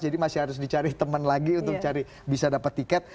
jadi masih harus dicari teman lagi untuk bisa dapat tiket